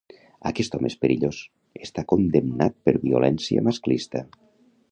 Aquest home és perillós, està condemnat per violència masclista.